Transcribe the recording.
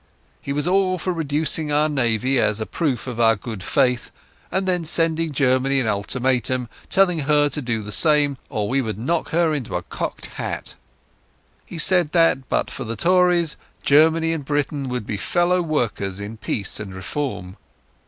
He was all for reducing our Navy as a proof of our good faith, and then sending Germany an ultimatum telling her to do the same or we would knock her into a cocked hat. He said that, but for the Tories, Germany and Britain would be fellow workers in peace and reform.